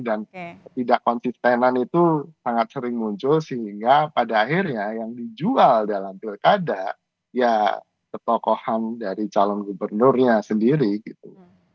dan ketidak konsistenan itu sangat sering muncul sehingga pada akhirnya yang dijual dalam pilkada ya ketokohan dari calon gubernurnya sendiri gitu